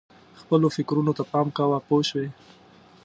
خپلو فکرونو ته پام کوه پوه شوې!.